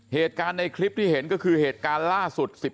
เหตุการณ์ในคลิปที่เห็นก็คือเหตุการณ์ล่าสุด